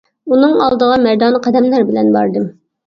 ئۇنىڭ ئالدىغا مەردانە قەدەملەر بىلەن باردىم.